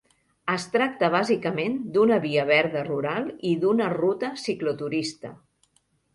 Es tracta bàsicament d'una via verda rural i d'una ruta cicloturista.